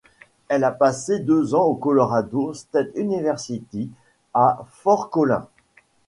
Elle a passé deux ans au Colorado State University à Fort Collins.